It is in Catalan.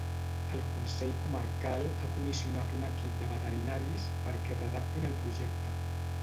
El Consell Comarcal ha comissionat un equip de veterinaris perquè redactin el projecte.